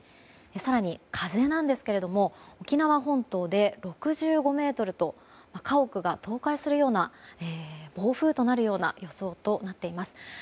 更に、風なんですけれども沖縄本島で６５メートルと家屋が倒壊するような暴風となるような予想となっています。